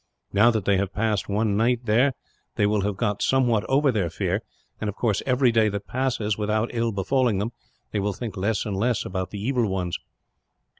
Now that they have passed one night there, they will have got somewhat over their fear and, of course, every day that passes, without ill befalling them, they will think less and less about the evil ones."